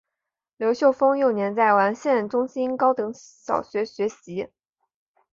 刘秀峰幼年在完县中心高等小学学习。